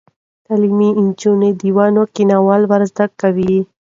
تعلیم نجونو ته د ونو کینول ور زده کوي.